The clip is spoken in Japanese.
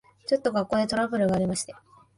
ちょっと学校でトラブルがありまして。